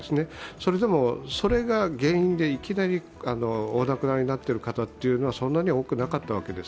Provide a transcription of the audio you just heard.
それでもそれが原因でいきなりお亡くなりになっている方っていうのはそんなには多くなかったわけです。